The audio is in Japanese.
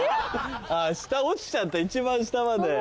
あ下落ちちゃった一番下まで。